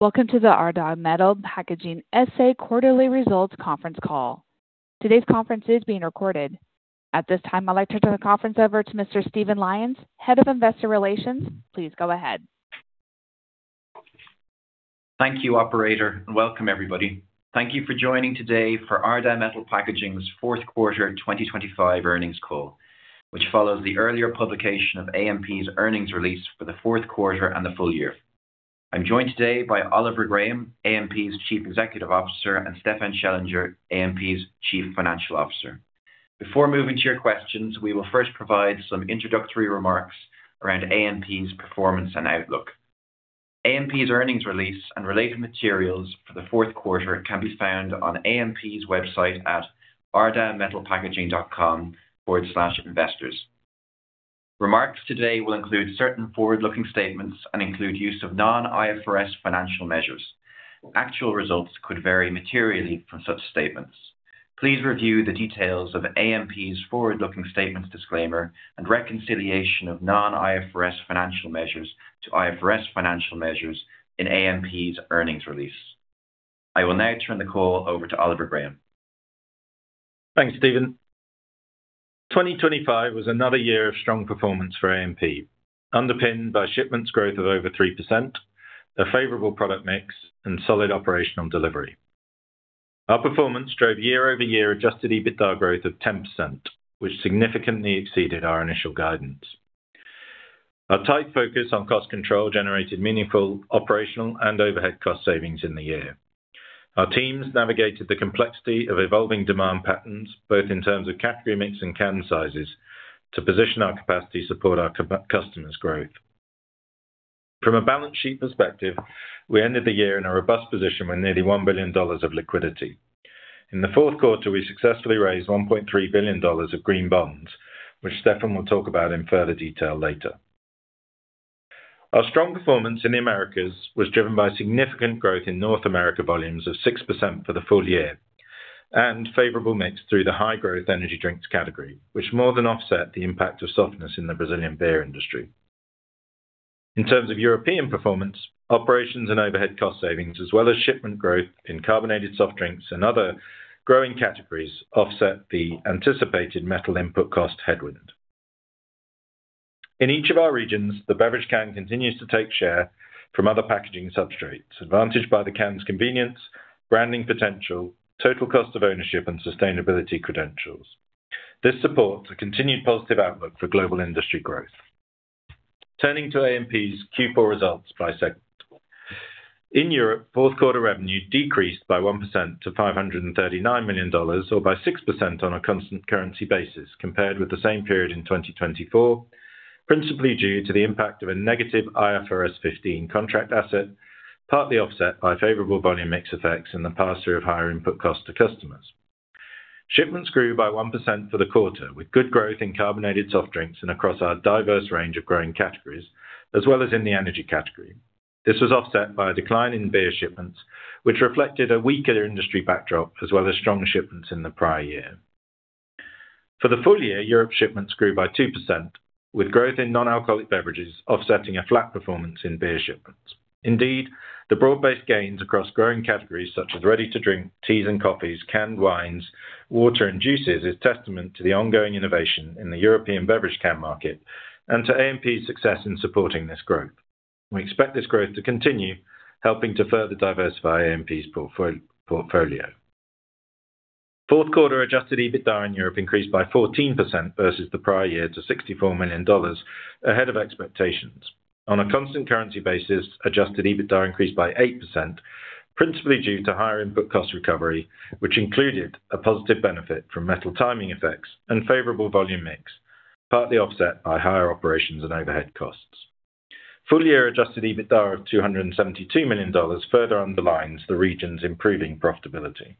Welcome to the Ardagh Metal Packaging S.A. Quarterly Results conference call. Today's conference is being recorded. At this time, I'd like to turn the conference over to Mr. Stephen Lyons, Head of Investor Relations. Please go ahead. Thank you, operator, and welcome, everybody. Thank you for joining today for Ardagh Metal Packaging's Fourth Quarter 2025 earnings call, which follows the earlier publication of AMP's earnings release for the fourth quarter and the full year. I'm joined today by Oliver Graham, AMP's Chief Executive Officer, and Stefan Schellinger, AMP's Chief Financial Officer. Before moving to your questions, we will first provide some introductory remarks around AMP's performance and outlook. AMP's earnings release and related materials for the fourth quarter can be found on AMP's website at ardaghmetalpackaging.com/investors. Remarks today will include certain forward-looking statements and include use of non-IFRS financial measures. Actual results could vary materially from such statements. Please review the details of AMP's forward-looking statements disclaimer and reconciliation of non-IFRS financial measures to IFRS financial measures in AMP's earnings release. I will now turn the call over to Oliver Graham. Thanks, Stephen. 2025 was another year of strong performance for AMP, underpinned by shipments growth of over 3%, a favorable product mix, and solid operational delivery. Our performance drove year-over-year Adjusted EBITDA growth of 10%, which significantly exceeded our initial guidance. Our tight focus on cost control generated meaningful operational and overhead cost savings in the year. Our teams navigated the complexity of evolving demand patterns, both in terms of category mix and can sizes, to position our customers' growth. From a balance sheet perspective, we ended the year in a robust position with nearly $1 billion of liquidity. In the fourth quarter, we successfully raised $1.3 billion of green bonds, which Stefan will talk about in further detail later. Our strong performance in the Americas was driven by significant growth in North America, volumes of 6% for the full year, and favorable mix through the high-growth energy drinks category, which more than offset the impact of softness in the Brazilian beer industry. In terms of European performance, operations and overhead cost savings, as well as shipment growth in carbonated soft drinks and other growing categories, offset the anticipated metal input cost headwind. In each of our regions, the beverage can continues to take share from other packaging substrates, advantaged by the can's convenience, branding potential, total cost of ownership, and sustainability credentials. This supports a continued positive outlook for global industry growth. Turning to AMP's Q4 results by segment. In Europe, fourth quarter revenue decreased by 1% to $539 million, or by 6% on a constant currency basis compared with the same period in 2024, principally due to the impact of a negative IFRS 15 contract asset, partly offset by favorable volume mix effects and the pass-through of higher input costs to customers. Shipments grew by 1% for the quarter, with good growth in carbonated soft drinks and across our diverse range of growing categories, as well as in the energy category. This was offset by a decline in beer shipments, which reflected a weaker industry backdrop, as well as strong shipments in the prior year. For the full year, Europe shipments grew by 2%, with growth in non-alcoholic beverages offsetting a flat performance in beer shipments. Indeed, the broad-based gains across growing categories such as ready-to-drink teas and coffees, canned wines, water, and juices is testament to the ongoing innovation in the European beverage can market and to AMP's success in supporting this growth. We expect this growth to continue, helping to further diversify AMP's portfolio. Fourth quarter Adjusted EBITDA in Europe increased by 14% versus the prior year to $64 million, ahead of expectations. On a constant currency basis, Adjusted EBITDA increased by 8%, principally due to higher input cost recovery, which included a positive benefit from metal timing effects and favorable volume mix, partly offset by higher operations and overhead costs. Full-year Adjusted EBITDA of $272 million further underlines the region's improving profitability.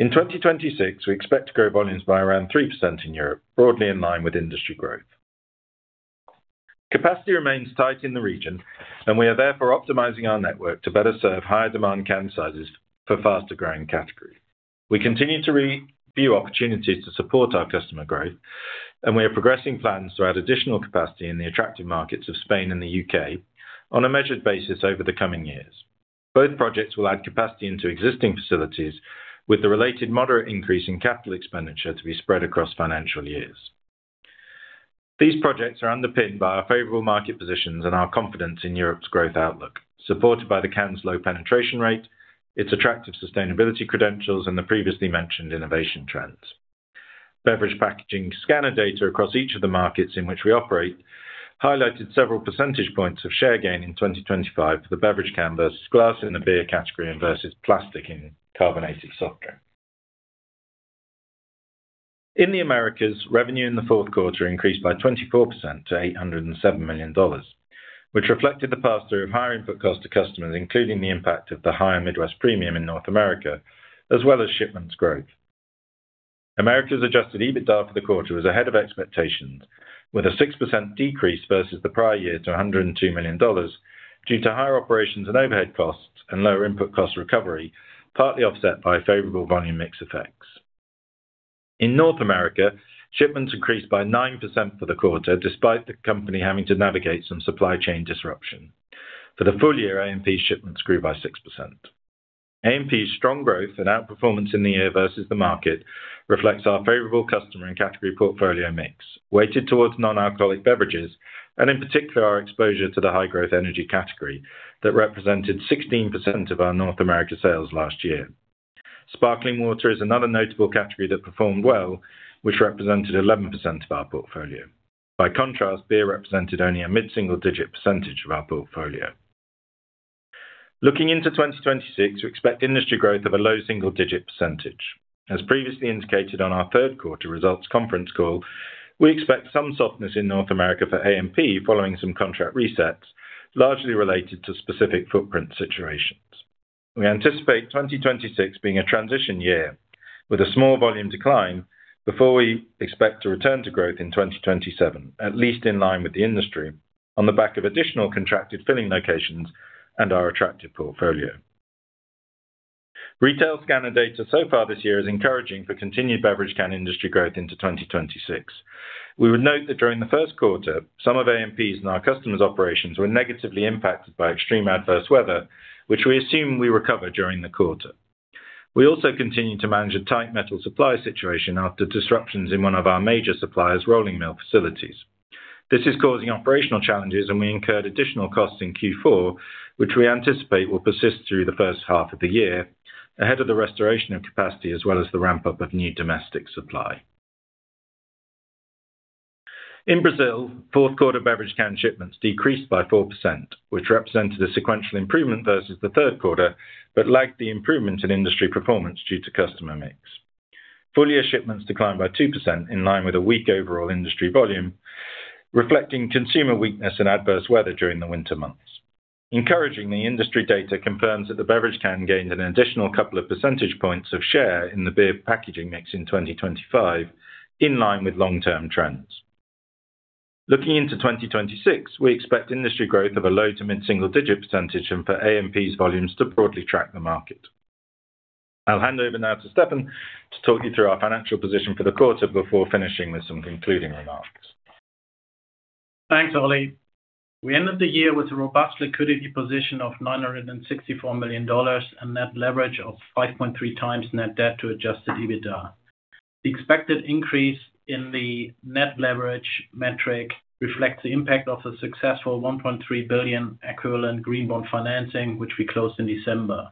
In 2026, we expect to grow volumes by around 3% in Europe, broadly in line with industry growth. Capacity remains tight in the region, and we are therefore optimizing our network to better serve higher-demand can sizes for faster-growing categories. We continue to review opportunities to support our customer growth, and we are progressing plans to add additional capacity in the attractive markets of Spain and the U.K. on a measured basis over the coming years. Both projects will add capacity into existing facilities, with the related moderate increase in capital expenditure to be spread across financial years. These projects are underpinned by our favorable market positions and our confidence in Europe's growth outlook, supported by the can's low penetration rate, its attractive sustainability credentials, and the previously mentioned innovation trends. Beverage packaging scanner data across each of the markets in which we operate highlighted several percentage points of share gain in 2025 for the beverage can versus glass in the beer category and versus plastic in carbonated soft drink. In the Americas, revenue in the fourth quarter increased by 24% to $807 million, which reflected the pass-through of higher input cost to customers, including the impact of the higher Midwest Premium in North America, as well as shipments growth. Americas Adjusted EBITDA for the quarter was ahead of expectations, with a 6% decrease versus the prior year to $102 million, due to higher operations and overhead costs and lower input cost recovery, partly offset by favorable volume mix effects. In North America, shipments increased by 9% for the quarter, despite the company having to navigate some supply chain disruption. For the full year, AMP shipments grew by 6%. AMP's strong growth and outperformance in the year versus the market reflects our favorable customer and category portfolio mix, weighted towards non-alcoholic beverages, and in particular, our exposure to the high-growth energy category that represented 16% of our North America sales last year. Sparkling water is another notable category that performed well, which represented 11% of our portfolio. By contrast, beer represented only a mid-single digit % of our portfolio. Looking into 2026, we expect industry growth of a low single digit %. As previously indicated on our third quarter results conference call, we expect some softness in North America for AMP following some contract resets, largely related to specific footprint situations. We anticipate 2026 being a transition year with a small volume decline before we expect to return to growth in 2027, at least in line with the industry, on the back of additional contracted filling locations and our attractive portfolio. Retail scanner data so far this year is encouraging for continued beverage can industry growth into 2026. We would note that during the first quarter, some of AMP's and our customers' operations were negatively impacted by extreme adverse weather, which we assume we recovered during the quarter. We also continued to manage a tight metal supply situation after disruptions in one of our major suppliers' rolling mill facilities. This is causing operational challenges, and we incurred additional costs in Q4, which we anticipate will persist through the first half of the year, ahead of the restoration of capacity as well as the ramp-up of new domestic supply. In Brazil, fourth quarter beverage can shipments decreased by 4%, which represented a sequential improvement versus the third quarter, but lacked the improvement in industry performance due to customer mix. Full year shipments declined by 2%, in line with a weak overall industry volume, reflecting consumer weakness and adverse weather during the winter months. Encouraging the industry data confirms that the beverage can gained an additional couple of percentage points of share in the beer packaging mix in 2025, in line with long-term trends. Looking into 2026, we expect industry growth of a low to mid single digit % and for AMP's volumes to broadly track the market. I'll hand over now to Stefan to talk you through our financial position for the quarter before finishing with some concluding remarks. Thanks, Ollie. We ended the year with a robust liquidity position of $964 million and net leverage of 5.3x net debt to Adjusted EBITDA. The expected increase in the net leverage metric reflects the impact of a successful $1.3 billion equivalent green bond financing, which we closed in December.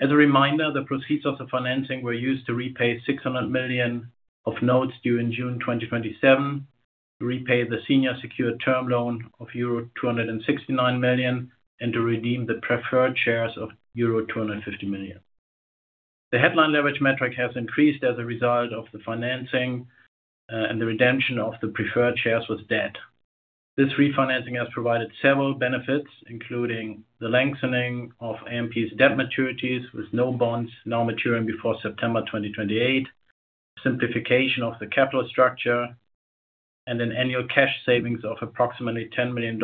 As a reminder, the proceeds of the financing were used to repay $600 million of notes due in June 2027, to repay the senior secured term loan of euro 269 million, and to redeem the preferred shares of euro 250 million. The headline leverage metric has increased as a result of the financing, and the redemption of the preferred shares with debt. This refinancing has provided several benefits, including the lengthening of AMP's debt maturities, with no bonds now maturing before September 2028, simplification of the capital structure, and an annual cash savings of approximately $10 million,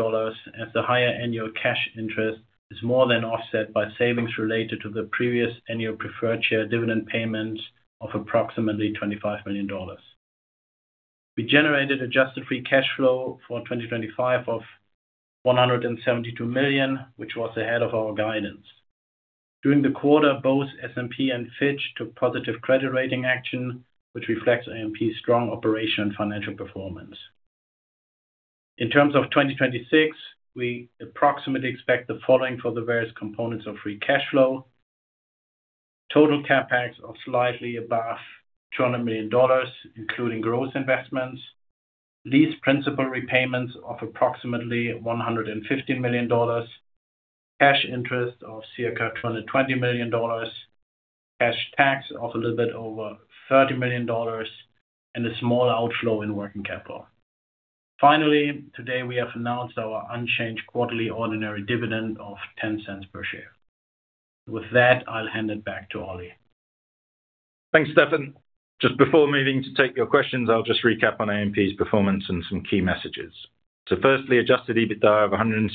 as the higher annual cash interest is more than offset by savings related to the previous annual preferred share dividend payments of approximately $25 million. We generated Adjusted Free Cash Flow for 2025 of $172 million, which was ahead of our guidance. During the quarter, both S&P and Fitch took positive credit rating action, which reflects AMP's strong operation and financial performance. In terms of 2026, we approximately expect the following for the various components of Free Cash Flow. Total CapEx of slightly above $200 million, including growth investments, lease principal repayments of approximately $150 million, cash interest of circa $220 million, cash tax of a little bit over $30 million, and a smaller outflow in working capital. Finally, today, we have announced our unchanged quarterly ordinary dividend of $0.10 per share. With that, I'll hand it back to Ollie. Thanks, Stefan. Just before moving to take your questions, I'll just recap on AMP's performance and some key messages. Firstly, Adjusted EBITDA of $166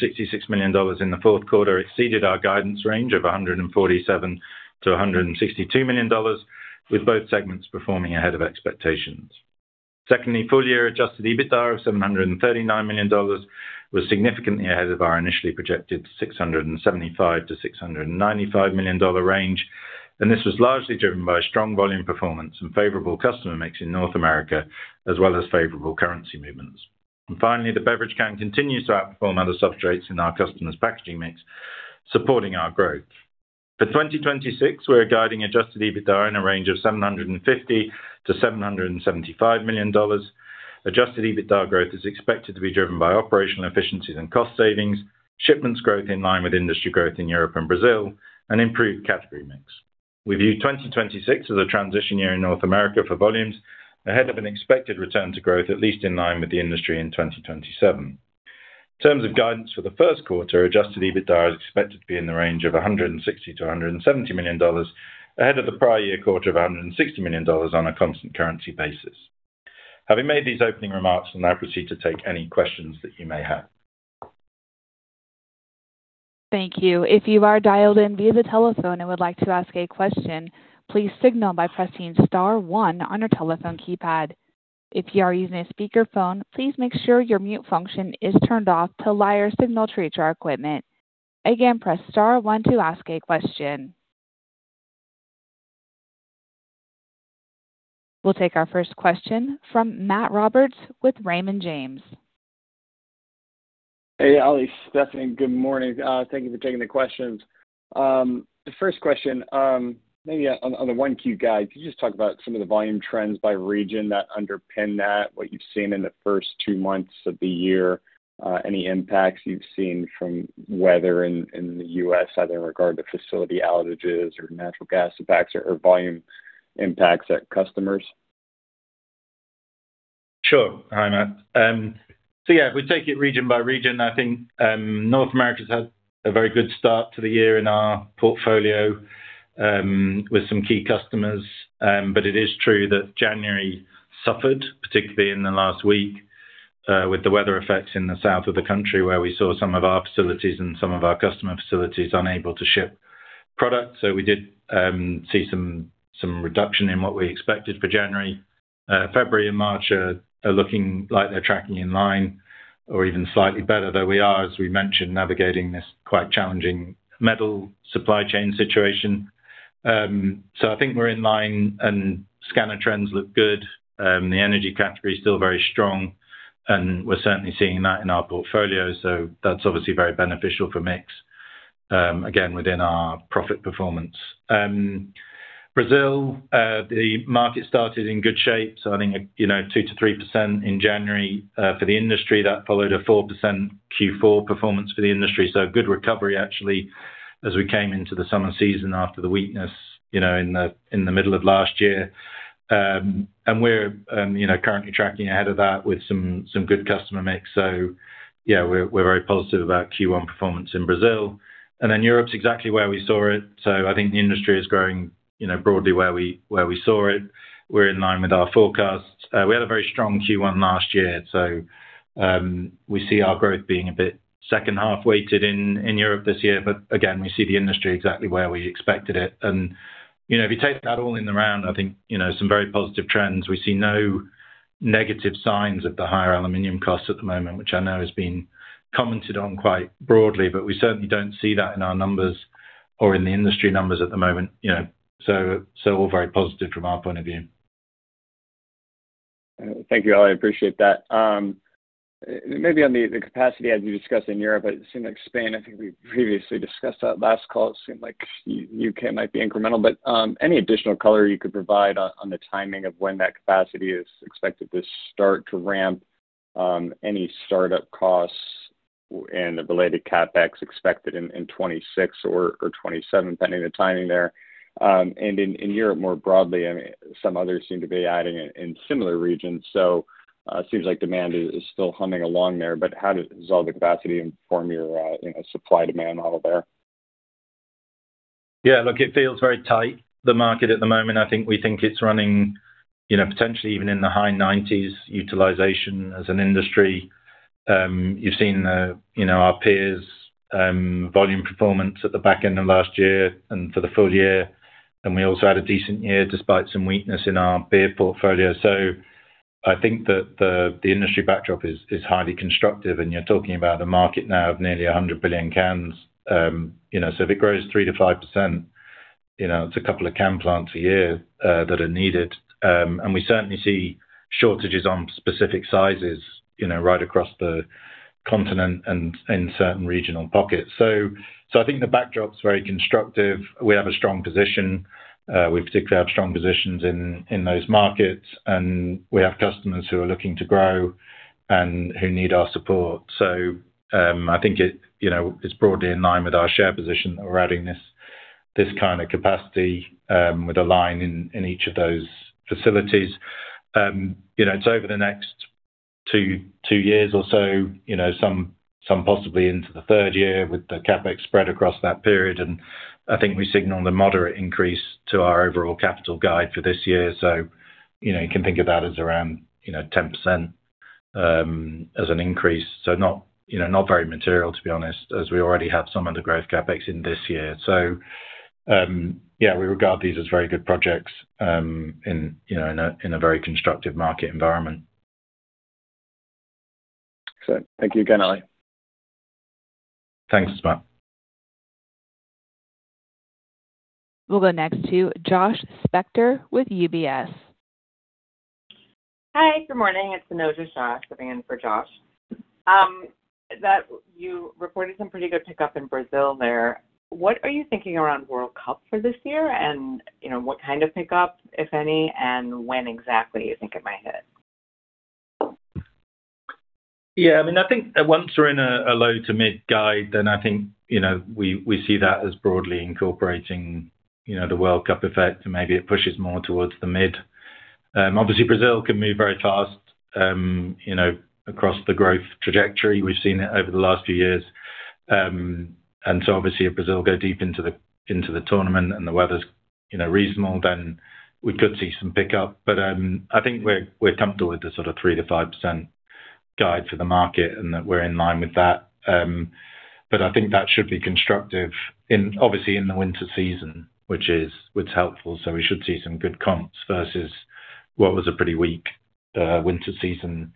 million in the fourth quarter exceeded our guidance range of $147 million-$162 million, with both segments performing ahead of expectations. Secondly, full year Adjusted EBITDA of $739 million was significantly ahead of our initially projected $675 million-$695 million range, and this was largely driven by strong volume performance and favorable customer mix in North America, as well as favorable currency movements. Finally, the beverage can continues to outperform other substrates in our customers' packaging mix, supporting our growth. For 2026, we're guiding Adjusted EBITDA in a range of $750 million-$775 million. Adjusted EBITDA growth is expected to be driven by operational efficiencies and cost savings, shipments growth in line with industry growth in Europe and Brazil, and improved category mix. We view 2026 as a transition year in North America for volumes, ahead of an expected return to growth, at least in line with the industry in 2027. In terms of guidance for the first quarter, Adjusted EBITDA is expected to be in the range of $160 million-$170 million, ahead of the prior year quarter of $160 million on a constant currency basis. Having made these opening remarks, we'll now proceed to take any questions that you may have.... Thank you. If you are dialed in via the telephone and would like to ask a question, please signal by pressing star one on your telephone keypad. If you are using a speakerphone, please make sure your mute function is turned off to allow your signal to reach our equipment. Again, press star one to ask a question. We'll take our first question from Matt Roberts with Raymond James. Hey, Ollie, Stefan, good morning. Thank you for taking the questions. The first question, maybe on the 1Q guide, can you just talk about some of the volume trends by region that underpin that, what you've seen in the first two months of the year, any impacts you've seen from weather in the U.S., either in regard to facility outages or natural gas impacts or volume impacts at customers? Sure. Hi, Matt. Yeah, if we take it region by region, I think, North America's had a very good start to the year in our portfolio, with some key customers. It is true that January suffered, particularly in the last week, with the weather effects in the south of the country, where we saw some of our facilities and some of our customer facilities unable to ship product. We did see some reduction in what we expected for January. February and March are looking like they're tracking in line or even slightly better, though we are, as we mentioned, navigating this quite challenging metal supply chain situation. I think we're in line, and scanner trends look good. The energy category is still very strong, and we're certainly seeing that in our portfolio. That's obviously very beneficial for mix, again, within our profit performance. Brazil, the market started in good shape. I think, you know, 2%-3% in January for the industry. That followed a 4% Q4 performance for the industry. A good recovery actually, as we came into the summer season after the weakness, you know, in the middle of last year. We're, you know, currently tracking ahead of that with some good customer mix. Yeah, we're very positive about Q1 performance in Brazil. Europe's exactly where we saw it. I think the industry is growing, you know, broadly where we, where we saw it. We're in line with our forecast. We had a very strong Q1 last year. We see our growth being a bit second half-weighted in Europe this year, but again, we see the industry exactly where we expected it. You know, if you take that all in the round, I think, you know, some very positive trends. We see no negative signs of the higher aluminum costs at the moment, which I know has been commented on quite broadly, but we certainly don't see that in our numbers or in the industry numbers at the moment, you know, all very positive from our point of view. Thank you, Ollie. I appreciate that. Maybe on the capacity as you discussed in Europe, it seemed like Spain, I think we previously discussed that last call. It seemed like U.K. might be incremental, but any additional color you could provide on the timing of when that capacity is expected to start to ramp, any startup costs and the related CapEx expected in 2026 or 2027, depending on the timing there? In, in Europe, more broadly, I mean, some others seem to be adding in similar regions, so seems like demand is still humming along there, but how does all the capacity inform your, you know, supply-demand model there? Yeah, look, it feels very tight. The market at the moment, I think we think it's running, you know, potentially even in the high 90s, utilization as an industry. You've seen, you know, our peers', volume performance at the back end of last year and for the full year, and we also had a decent year, despite some weakness in our beer portfolio. I think the industry backdrop is highly constructive, and you're talking about a market now of nearly 100 billion cans. You know, so if it grows 3%-5%, you know, it's a couple of can plants a year that are needed. And we certainly see shortages on specific sizes, you know, right across the continent and in certain regional pockets. I think the backdrop's very constructive. We have a strong position. We particularly have strong positions in those markets, and we have customers who are looking to grow and who need our support. I think it, you know, is broadly in line with our share position. We're adding this kind of capacity with a line in each of those facilities. You know, it's over the next two years or so, you know, some possibly into the 3rd year with the CapEx spread across that period, and I think we signaled a moderate increase to our overall capital guide for this year. You know, you can think of that as around, you know, 10% as an increase, not, you know, not very material, to be honest, as we already have some under growth capex in this year. Yeah, we regard these as very good projects, in, you know, in a, in a very constructive market environment. Excellent. Thank you again, Ollie. Thanks, Matt. We'll go next to Josh Spector with UBS. Hi, good morning. It's Anojja Shah sitting in for Josh. That you reported some pretty good pickup in Brazil there. What are you thinking around World Cup for this year? You know, what kind of pickup, if any, and when exactly you think it might hit? I mean, I think once we're in a low to mid guide, I think, you know, we see that as broadly incorporating, you know, the World Cup effect. Maybe it pushes more towards the mid. Obviously, Brazil can move very fast, you know, across the growth trajectory. We've seen it over the last few years. Obviously, if Brazil go deep into the tournament, and the weather's, you know, reasonable, we could see some pickup. I think we're comfortable with the sort of 3%-5% guide to the market, and that we're in line with that. I think that should be constructive in, obviously, in the winter season, which is, it's helpful, we should see some good comps versus what was a pretty weak winter season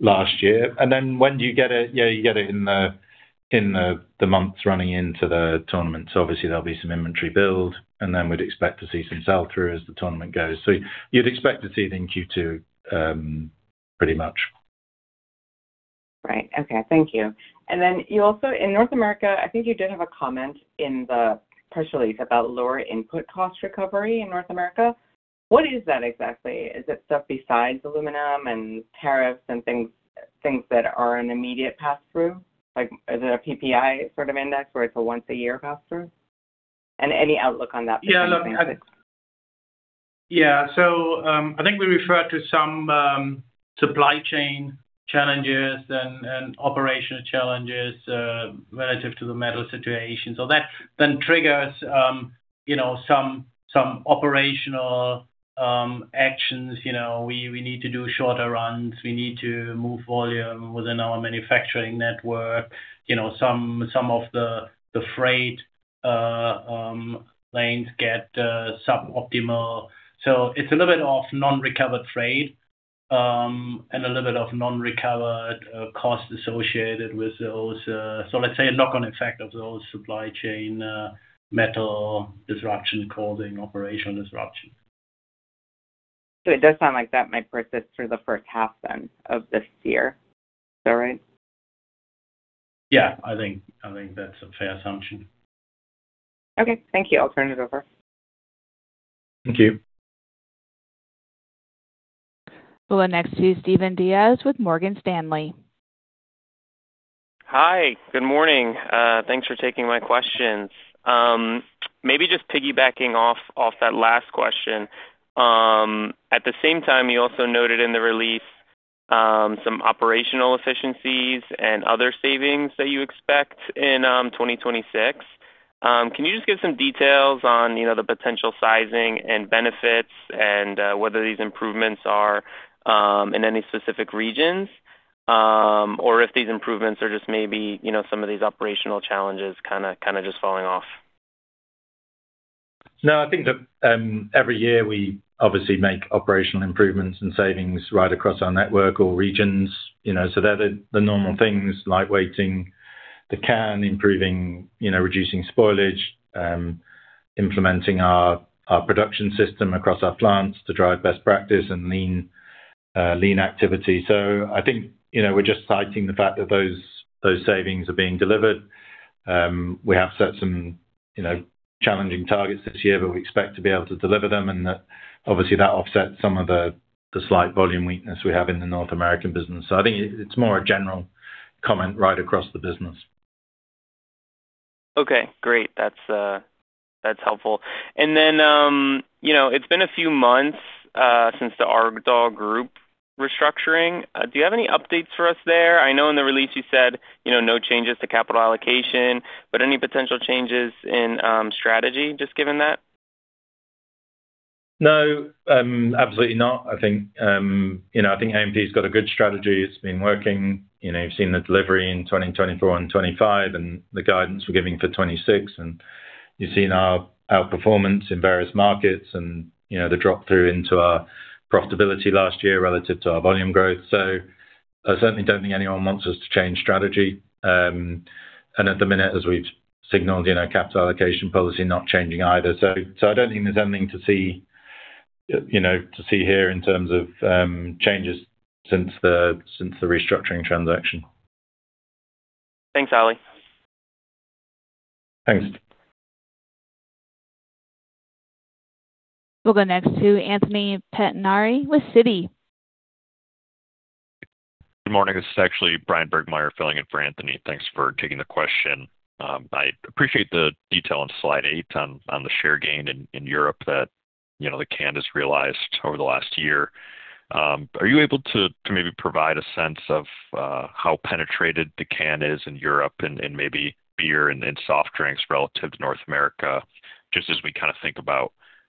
last year. When do you get it? Yeah, you get it in the, in the months running into the tournament. Obviously, there'll be some inventory build, and then we'd expect to see some sell-through as the tournament goes. You'd expect to see it in Q2, pretty much. Right. Okay, thank you. You also, in North America, I think you did have a comment in the press release about lower input cost recovery in North America. What is that exactly? Is it stuff besides aluminum and tariffs and things that are an immediate passthrough? Like, is it a PPI sort of index, where it's a once-a-year passthrough? Any outlook on that...? Yeah. Look, I think we referred to some supply chain challenges and operational challenges relative to the metal situation. That then triggers, you know, some operational actions. You know, we need to do shorter runs. We need to move volume within our manufacturing network. You know, some of the freight lanes get suboptimal. It's a little bit of non-recovered freight and a little bit of non-recovered costs associated with those. Let's say a knock-on effect of those supply chain metal disruption causing operational disruption. It does sound like that might persist through the first half then, of this year. Is that right? Yeah, I think that's a fair assumption. Okay, thank you. I'll turn it over. Thank you. We'll go next to Stefan Diaz with Morgan Stanley. Hi. Good morning. Thanks for taking my questions. Maybe just piggybacking off that last question, at the same time, you also noted in the release, some operational efficiencies and other savings that you expect in, 2026. Can you just give some details on, you know, the potential sizing and benefits and, whether these improvements are, in any specific regions? Or if these improvements are just maybe, you know, some of these operational challenges kind of just falling off? No, I think that, every year, we obviously make operational improvements and savings right across our network or regions, you know, so they're the normal things like weighting the can, improving, you know, reducing spoilage, implementing our production system across our plants to drive best practice and lean activity. I think, you know, we're just citing the fact that those savings are being delivered. We have set some, you know, challenging targets this year, but we expect to be able to deliver them, and that obviously, that offsets some of the slight volume weakness we have in the North American business. I think it's more a general comment right across the business. Okay, great. That's helpful. You know, it's been a few months since the Ardagh Group restructuring. Do you have any updates for us there? I know in the release you said, you know, no changes to capital allocation, but any potential changes in strategy, just given that? No, absolutely not. I think, you know, I think AMP's got a good strategy. It's been working. You know, you've seen the delivery in 2024 and 2025, and the guidance we're giving for 2026, and you've seen our performance in various markets and, you know, the drop-through into our profitability last year relative to our volume growth. I certainly don't think anyone wants us to change strategy. At the minute, as we've signaled, you know, capital allocation policy not changing either. I don't think there's anything to see, you know, to see here in terms of changes since the restructuring transaction. Thanks, Ollie. Thanks. We'll go next to Anthony Pettinari with Citi. Good morning, this is actually Bryan Burgmeier filling in for Anthony. Thanks for taking the question. I appreciate the detail on slide eight on the share gain in Europe that, you know, the can has realized over the last year. Are you able to maybe provide a sense of how penetrated the can is in Europe and maybe beer and soft drinks relative to North America, just as we kind of think about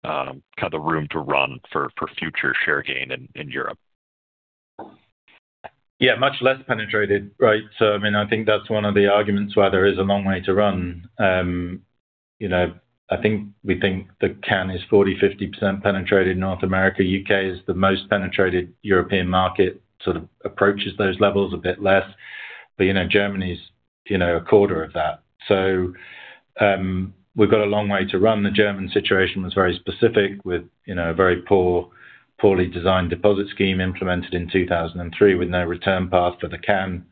kind of the room to run for future share gain in Europe? Yeah, much less penetrated, right? I mean, I think that's one of the arguments why there is a long way to run. You know, I think we think the can is 40%, 50% penetrated in North America. U.K. is the most penetrated European market, sort of approaches those levels a bit less. You know, Germany's, you know, a quarter of that. We've got a long way to run. The German situation was very specific with, you know, a very poor, poorly designed deposit scheme implemented in 2003, with no return path for the can.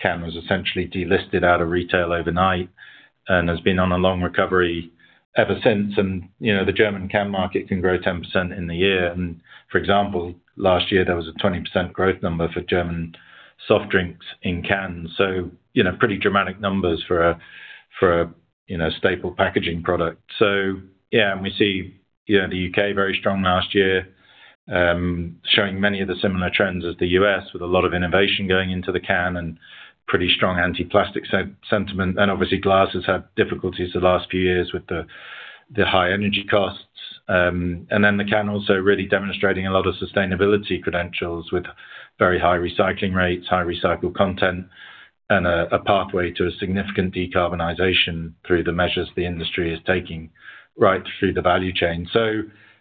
Can was essentially delisted out of retail overnight and has been on a long recovery ever since. You know, the German can market can grow 10% in the year, and for example, last year there was a 20% growth number for German soft drinks in cans. You know, pretty dramatic numbers for a, you know, staple packaging product. Yeah, and we see, you know, the U.K. very strong last year, showing many of the similar trends as the U.S., with a lot of innovation going into the can and pretty strong anti-plastic sentiment. Obviously, glasses have had difficulties the last few years with the high energy costs, and then the can also really demonstrating a lot of sustainability credentials with very high recycling rates, high recycled content, and a pathway to a significant decarbonization through the measures the industry is taking right through the value chain.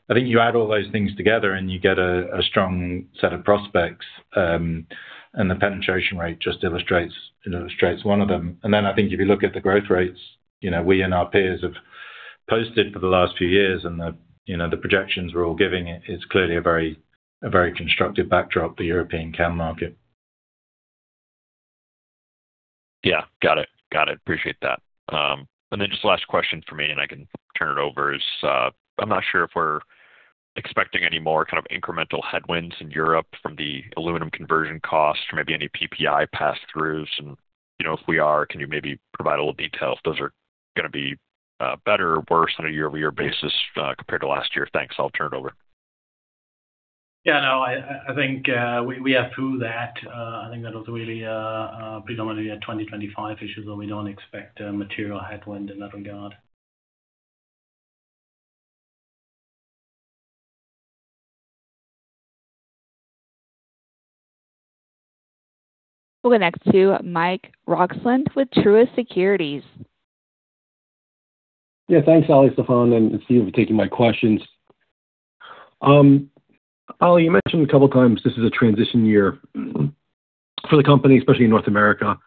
I think you add all those things together, and you get a strong set of prospects, and the penetration rate just illustrates, it illustrates one of them. I think if you look at the growth rates, you know, we and our peers have posted for the last few years, and the, you know, the projections we're all giving, it is clearly a very constructive backdrop, the European can market. Yeah, got it. Got it. Appreciate that. Just last question for me, and I can turn it over, is, I'm not sure if we're expecting any more kind of incremental headwinds in Europe from the aluminum conversion costs or maybe any PPI pass-throughs, and, you know, if we are, can you maybe provide a little detail if those are gonna be better or worse on a year-over-year basis, compared to last year? Thanks. I'll turn it over. Yeah, no, I think we are through that. I think that was really a predominantly a 2025 issue. We don't expect a material headwind in that regard. We'll connect to Mike Roxland with Truist Securities. Yeah. Thanks, Ollie, Stefan, and Stephen for taking my questions. Ali, you mentioned a couple of times this is a transition year for the company, especially in North America.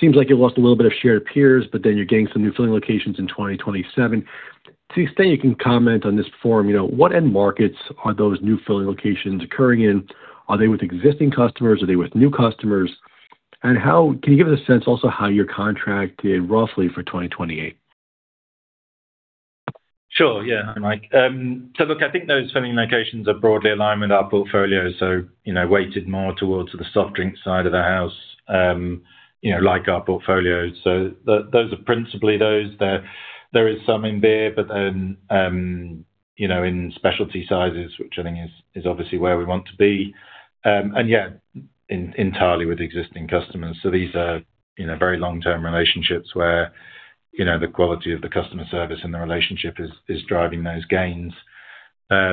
Seems like you lost a little bit of share to peers, you're gaining some new filling locations in 2027. To the extent you can comment on this forum, you know, what end markets are those new filling locations occurring in? Are they with existing customers? Are they with new customers? Can you give us a sense also how your contract did roughly for 2028? Sure, yeah. Hi, Mike. Look, I think those filling locations are broadly in line with our portfolio, you know, weighted more towards the soft drink side of the house, you know, like our portfolio. Those are principally those. There is some in beer, you know, in specialty sizes, which I think is obviously where we want to be. Yeah, entirely with existing customers. These are, you know, very long-term relationships where, you know, the quality of the customer service and the relationship is driving those gains. I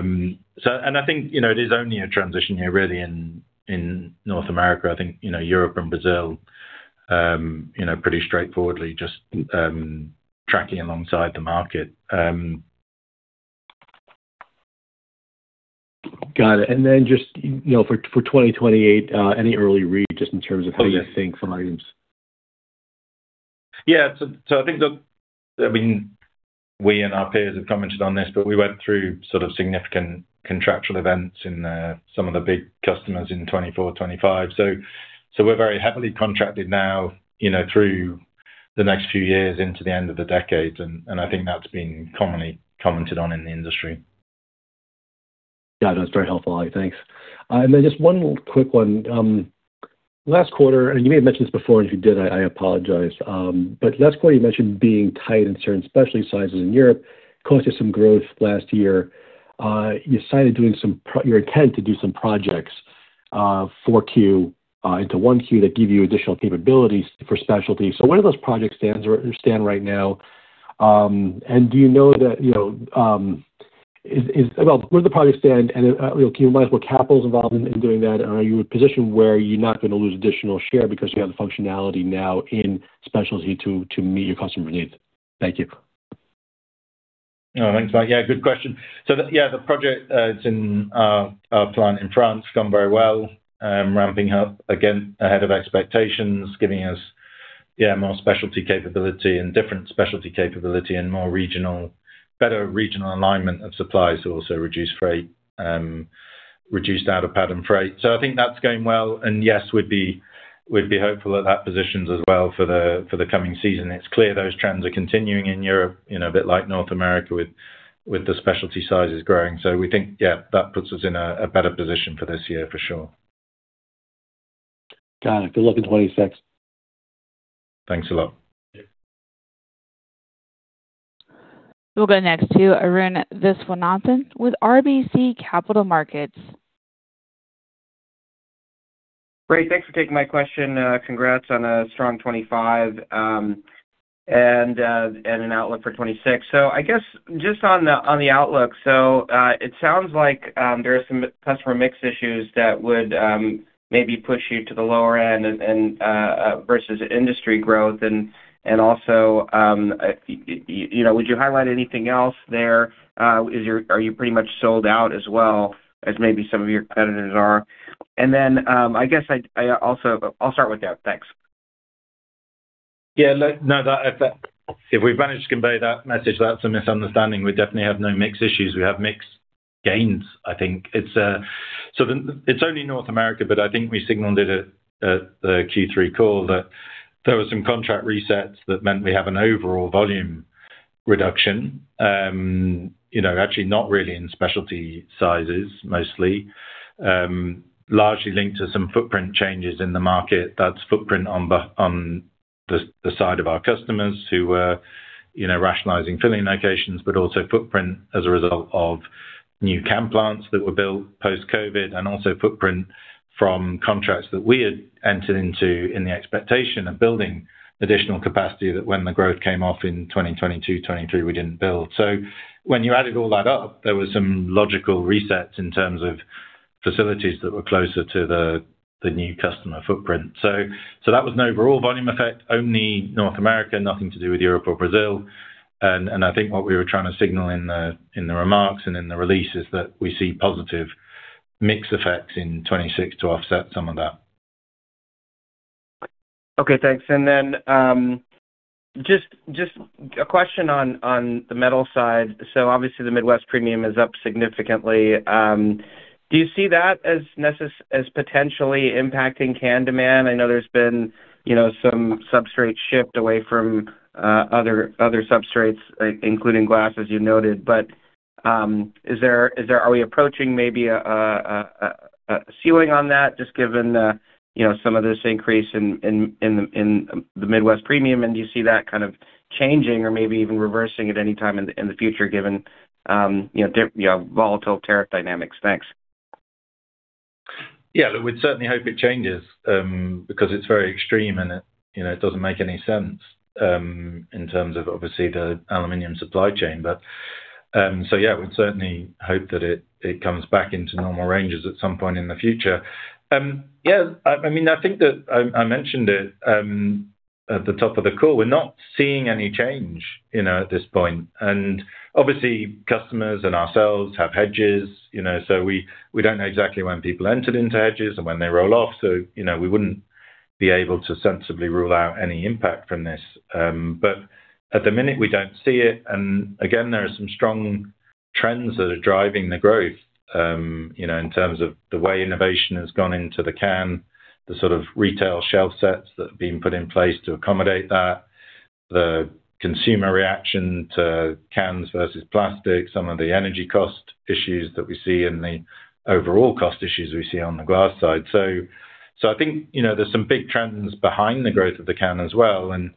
think, you know, it is only a transition here really in North America. I think, you know, Europe and Brazil, you know, pretty straightforwardly just tracking alongside the market. Got it. Then just, you know, for 2028, any early read just in terms of how you think volumes? Yeah. I mean, we and our peers have commented on this, but we went through sort of significant contractual events in some of the big customers in 2024, 2025. We're very heavily contracted now, you know, through the next few years into the end of the decade, and I think that's been commonly commented on in the industry. Got it. That's very helpful, Ollie. Thanks. Just one quick one. Last quarter, you may have mentioned this before, and if you did, I apologize. Last quarter, you mentioned being tight in certain specialty sizes in Europe caused you some growth last year. You cited doing your intent to do some projects, 4Q into 1Q, that give you additional capabilities for specialty. Where do those project stands, stand right now? Do you know that, you know, is well, where the project stand, you know, can you advise what capital is involved in doing that? Are you in a position where you're not gonna lose additional share because you have the functionality now in specialty to meet your customer needs? Thank you. Thanks, Mike. Yeah, good question. Yeah, the project, it's in our plant in France, gone very well. Ramping up again ahead of expectations, giving us, yeah, more specialty capability and different specialty capability and better regional alignment of supplies to also reduce freight, reduce out-of-pattern freight. I think that's going well, and yes, we'd be hopeful that that positions us well for the coming season. It's clear those trends are continuing in Europe, you know, a bit like North America with the specialty sizes growing. We think, yeah, that puts us in a better position for this year for sure. Got it. Good luck in 2026. Thanks a lot. We'll go next to Arun Viswanathan with RBC Capital Markets. Great. Thanks for taking my question. Congrats on a strong 2025 and an outlook for 2026. I guess just on the, on the outlook, it sounds like there are some customer mix issues that would maybe push you to the lower end versus industry growth. Also, you know, would you highlight anything else there? Are you pretty much sold out as well as maybe some of your competitors are? I guess I'll start with that. Thanks. Yeah, no, that, if we've managed to convey that message, that's a misunderstanding. We definitely have no mix issues. We have mix gains, I think. It's, so it's only North America, but I think we signaled it at the Q3 call, that there were some contract resets that meant we have an overall volume reduction. You know, actually not really in specialty sizes, mostly. Largely linked to some footprint changes in the market. That's footprint on the side of our customers who were, you know, rationalizing filling locations, but also footprint as a result of new can plants that were built post-COVID, and also footprint from contracts that we had entered into in the expectation of building additional capacity that when the growth came off in 2022, 2023, we didn't build. When you added all that up, there was some logical resets in terms of facilities that were closer to the new customer footprint. That was an overall volume effect, only North America, nothing to do with Europe or Brazil. I think what we were trying to signal in the remarks and in the release is that we see positive mix effects in 2026 to offset some of that. Okay, thanks. Just a question on the metal side. Obviously, the Midwest Premium is up significantly. Do you see that as potentially impacting can demand? I know there's been, you know, some substrate shift away from other substrates, including glass, as you noted. Is there, are we approaching maybe a ceiling on that, just given, you know, some of this increase in the Midwest Premium? Do you see that kind of changing or maybe even reversing at any time in the future, given, you know, volatile tariff dynamics? Thanks. Yeah, we'd certainly hope it changes, because it's very extreme and it, you know, it doesn't make any sense, in terms of, obviously, the aluminum supply chain. So yeah, we'd certainly hope that it comes back into normal ranges at some point in the future. Yeah, I mean, I think that I mentioned it at the top of the call. We're not seeing any change, you know, at this point. Obviously, customers and ourselves have hedges, you know, so we don't know exactly when people entered into hedges and when they roll off, so, you know, we wouldn't be able to sensibly rule out any impact from this. At the minute, we don't see it, and again, there are some strong trends that are driving the growth, you know, in terms of the way innovation has gone into the can, the sort of retail shelf sets that have been put in place to accommodate that, the consumer reaction to cans versus plastic, some of the energy cost issues that we see and the overall cost issues we see on the glass side. I think, you know, there's some big trends behind the growth of the can as well, and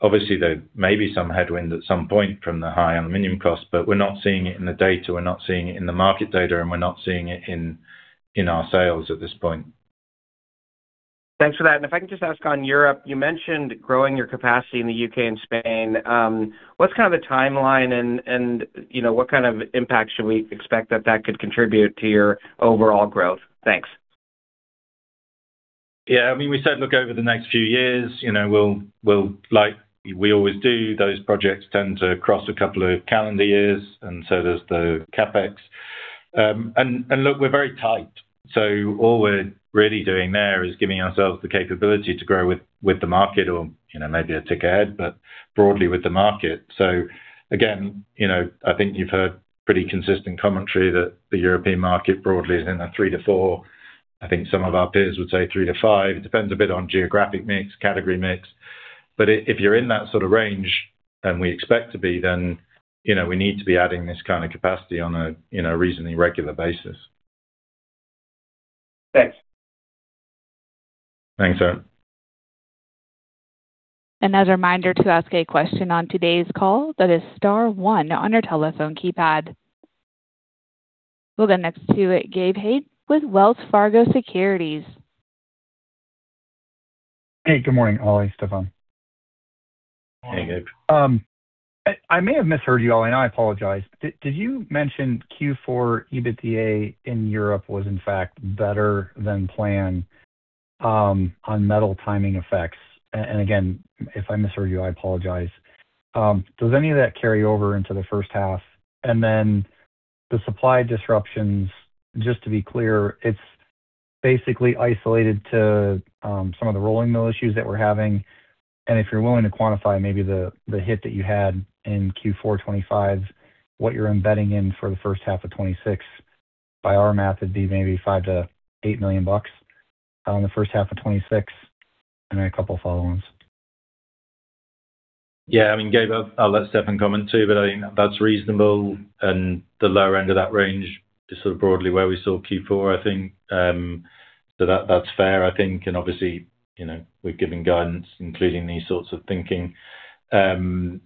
obviously, there may be some headwind at some point from the high aluminum costs, but we're not seeing it in the data, we're not seeing it in the market data, and we're not seeing it in our sales at this point. Thanks for that. If I can just ask on Europe, you mentioned growing your capacity in the U.K. and Spain. What's kind of the timeline and, you know, what kind of impact should we expect that that could contribute to your overall growth? Thanks. We said look over the next few years, you know, we'll like we always do, those projects tend to cross a couple of calendar years, and so does the capex. Look, we're very tight, all we're really doing there is giving ourselves the capability to grow with the market or, you know, maybe a tick ahead, but broadly with the market. Again, you know, I think you've heard pretty consistent commentary that the European market broadly is in a 3%-4%. I think some of our peers would say 3%-5%. It depends a bit on geographic mix, category mix, if you're in that sort of range, and we expect to be, then, we need to be adding this kind of capacity on a, you know, reasonably regular basis. Thanks. Thanks, Arun. Another reminder to ask a question on today's call, that is star one on your telephone keypad. We'll go next to Gabe Hajde with Wells Fargo Securities. Hey, good morning, Ollie, Stefan. Hey, Gabe. I may have misheard you, Ollie, and I apologize. Did you mention Q4 EBITDA in Europe was in fact better than planned on metal timing effects? Again, if I misheard you, I apologize. Does any of that carry over into the first half? The supply disruptions, just to be clear, it's basically isolated to some of the rolling mill issues that we're having. If you're willing to quantify maybe the hit that you had in Q4 2025, what you're embedding in for the first half of 2026, by our math, it'd be maybe $5 million-$8 million on the first half of 2026. A couple follow-ons. I mean, Gabe, I'll let Stefan comment, too, but I think that's reasonable, and the lower end of that range is sort of broadly where we saw Q4, I think. That's fair, I think, and obviously, you know, we're giving guidance, including these sorts of thinking. Then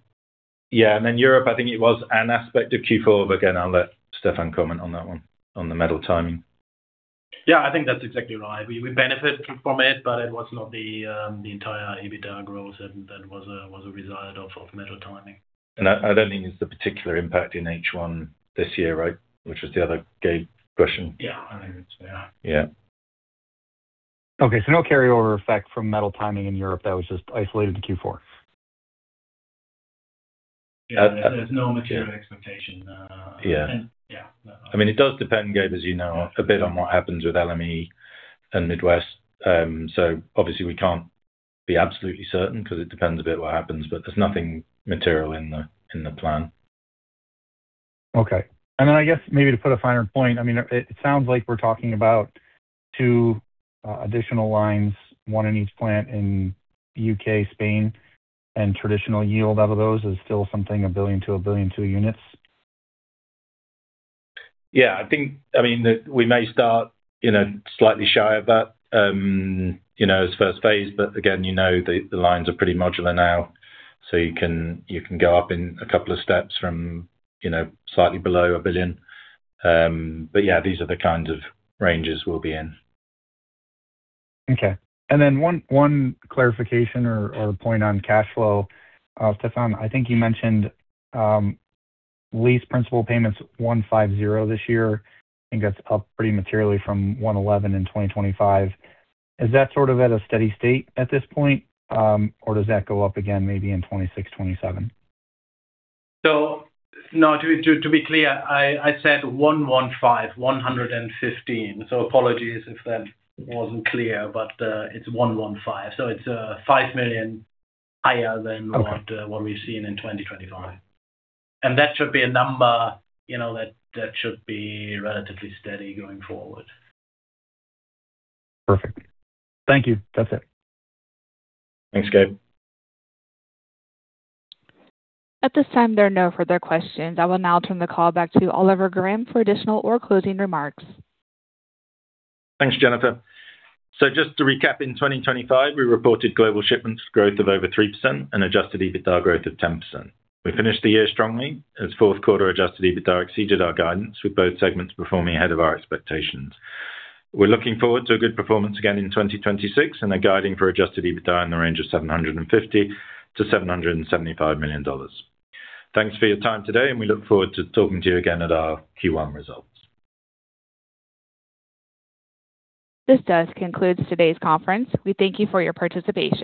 Europe, I think it was an aspect of Q4, but again, I'll let Stefan comment on that one, on the metal timing. Yeah, I think that's exactly right. We benefited from it, but it was not the entire EBITDA growth that was a result of metal timing. I don't think it's the particular impact in H1 this year, right? Which was the other Gabe question. Yeah, I think it's, yeah. Yeah. Okay, no carry over effect from metal timing in Europe, that was just isolated to Q4? Yeah, there's no material expectation. Yeah. Yeah. I mean, it does depend, Gabe, as you know, a bit on what happens with LME and Midwest. Obviously we can't be absolutely certain because it depends a bit what happens, but there's nothing material in the, in the plan. Okay. I guess maybe to put a finer point, I mean, it sounds like we're talking about two additional lines, one in each plant in U.K., Spain, and traditional yield out of those is still something 1 billion-1.2 billion units. I think, I mean, we may start, you know, slightly shy of that, you know, as first phase, again, you know, the lines are pretty modular now, so you can go up in a couple of steps from, you know, slightly below $1 billion. Yeah, these are the kinds of ranges we'll be in. Okay. One clarification or point on cash flow. Stefan, I think you mentioned lease principal payments $150 this year, and that's up pretty materially from $111 in 2025. Is that sort of at a steady state at this point, or does that go up again maybe in 2026, 2027? No, to be clear, I said 115. Apologies if that wasn't clear, but it's 115, so it's $5 million higher than- Okay. what we've seen in 2025. That should be a number, you know, that should be relatively steady going forward. Perfect. Thank you. That's it. Thanks, Gabe. At this time, there are no further questions. I will now turn the call back to Oliver Graham for additional or closing remarks. Thanks, Jennifer. Just to recap, in 2025, we reported global shipments growth of over 3% and Adjusted EBITDA growth of 10%. We finished the year strongly, as fourth quarter Adjusted EBITDA exceeded our guidance, with both segments performing ahead of our expectations. We're looking forward to a good performance again in 2026 and are guiding for Adjusted EBITDA in the range of $750 million-$775 million. Thanks for your time today, and we look forward to talking to you again at our Q1 results. This does conclude today's conference. We thank you for your participation.